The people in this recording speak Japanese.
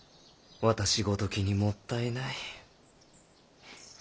私ごときにもったいない。